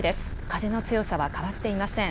風の強さは変わっていません。